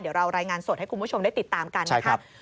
เดี๋ยวเรารายงานสดให้คุณผู้ชมได้ติดตามกันนะครับ